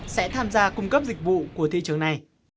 sẽ tham gia cung cấp dịch vụ của thị trường này